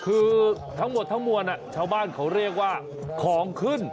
คือทั้งหมดทั้งมวลชาวบ้านเขาเรียกว่าของขึ้น